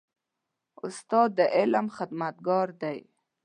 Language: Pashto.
استاد د علم خدمتګار دی.